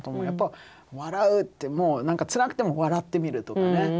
やっぱ笑うってもう何かツラくても笑ってみるとかね。